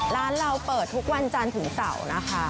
ร้านเราเปิดทุกวันจันทร์ถึงเสาร์นะคะ